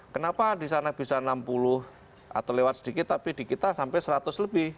kenapa di sana bisa enam puluh atau lewat sedikit tapi di kita sampai seratus lebih